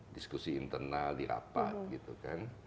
diskusi internal dirapat gitu kan